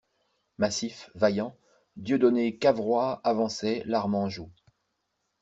Massif, vaillant, Dieudonné Cavrois avançait, l'arme en joue.